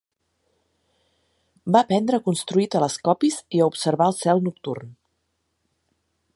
Va aprendre a construir telescopis i a observar el cel nocturn.